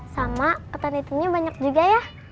sama ketan hitamnya banyak juga ya